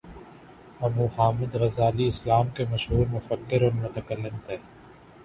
ابو حامد غزالی اسلام کے مشہور مفکر اور متکلم تھے